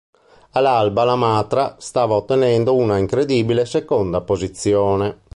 All'alba la Matra stava ottenendo una incredibile seconda posizione.